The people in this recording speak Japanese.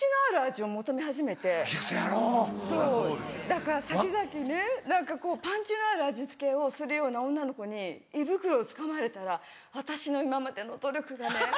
だから先々ね何かパンチのある味付けをするような女の子に胃袋をつかまれたら私の今までの努力がね。